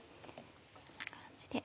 こんな感じで。